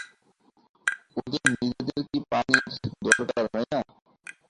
ওদের নিজেদের কি পানির দরকার হয় না?